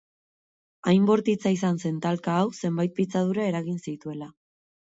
Hain bortitza izan zen talka hau zenbait pitzadura eragin zituela.